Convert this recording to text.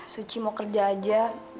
suci mau kerja aja